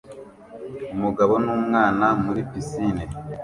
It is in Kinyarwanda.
Umugabo n'umwana muri pisine